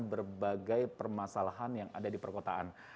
berbagai permasalahan yang ada di perkotaan